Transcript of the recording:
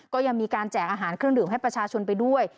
ก็ยังมีการแจกอาหารเครื่องดื่มให้ประชาชนไปด้วย